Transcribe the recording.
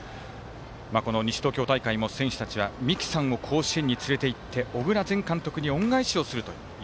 この西東京大会も、選手たちは三木さんを甲子園につれていって小倉前監督に恩返しをする。